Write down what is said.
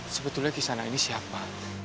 sebetulnya kisana ini siapa